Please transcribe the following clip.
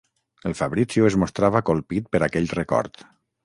El Fabrizio es mostrava colpit per aquell record.